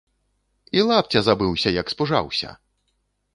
І лапця забыўся, як спужаўся!